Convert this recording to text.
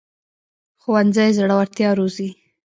ښوونځی زړورتیا روزي